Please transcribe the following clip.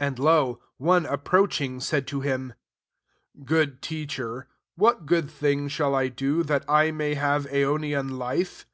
16 And, lo! one approach ing, said to him, \Goo(f\ Teacher, what good thing shall I do, that I may have aionian life